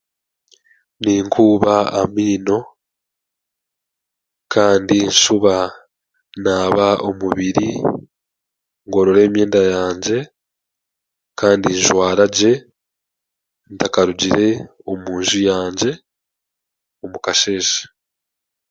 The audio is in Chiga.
Ninkuuba amaino kandi nshuba naaba omubiri, ngorora emyenda yangye kandi njwara gye ntakarugire omunju yangye omu kasheeshe